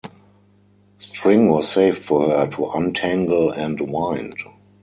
String was saved for her to untangle and wind.